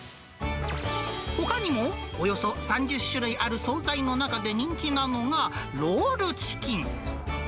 ほかにも、およそ３０種類ある総菜の中で人気なのが、ロールチキン。